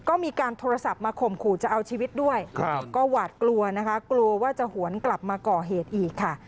ก็มีการโทรศัพท์มาข่มขู่จะเอาชีวิตด้วยก็หวาดกลัวนะคะกลัวว่าจะหวนกลับมาก่อเหตุอีกค่ะ